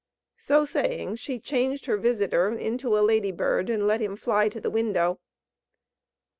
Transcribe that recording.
So saying she changed her visitor into a lady bird, and let him fly to the window.